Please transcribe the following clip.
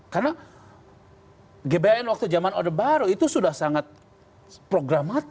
karena gbhn waktu zaman odebaru itu sudah sangat programatis